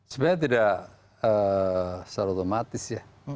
sebenarnya tidak secara otomatis ya